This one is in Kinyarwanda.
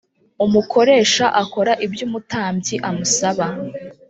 umukoresha akora ibyumutambyi amusaba.